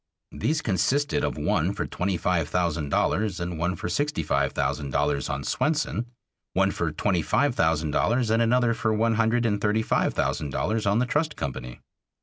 These consisted of one for twenty five thousand dollars and one for sixty five thousand dollars on Swenson, one for twenty five thousand dollars and another for one hundred and thirty five thousand dollars on the Trust Company.